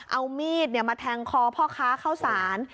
เอามีดเนี่ยมาแทงคอพ่อค้าข้าวสาร